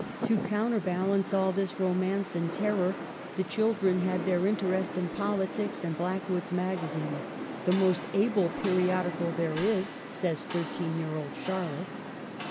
To counterbalance all this romance and terror, the children had their interest in politics and Blackwood's Magazine, " the most able periodical there is," says thirteen CHILDHOOD. 59 year old Charlotte.